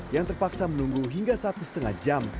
yang terpaksa menunggu hingga satu lima jam